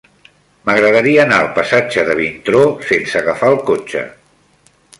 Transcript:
M'agradaria anar al passatge de Vintró sense agafar el cotxe.